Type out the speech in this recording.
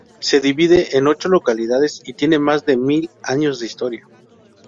Se divide en ocho localidades y tiene más de mil años de historia.